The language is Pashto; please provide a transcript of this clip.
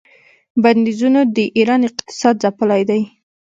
بندیزونو د ایران اقتصاد ځپلی دی.